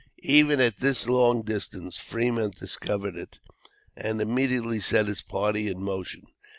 Even at this long distance Fremont discovered it, and immediately set his party in motion.